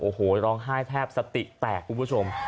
โอ้โหร้องไห้แทบสติแตกคุณผู้ชม